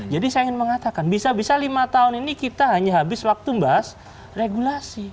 jadi saya ingin mengatakan bisa bisa lima tahun ini kita hanya habis waktu membahas regulasi